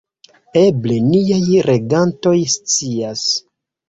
Eble niaj legantoj scias.